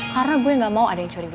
karena gue gak mau ada yang curiga